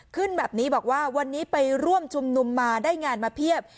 ขึ้นแบบนี้บอกว่าวันนี้ไปร่วมชุมนุมมาได้งานมาเพียบ